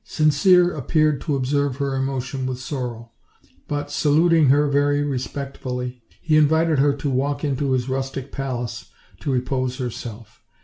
Sincere appeared to observe her emotion with sorrow; but, saluting her very respectfully, he invited her to walk into his rustic palace to repose herself.